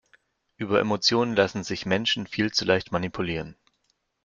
Über Emotionen lassen sich Menschen viel zu leicht manipulieren.